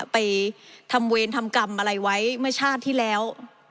ไปทำเวรทำกรรมอะไรไว้เมื่อชาติที่แล้ว